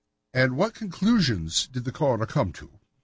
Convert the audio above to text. And what conclusions did the coroner come to?"